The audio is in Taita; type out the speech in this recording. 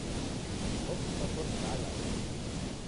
Ofungwa koni kala.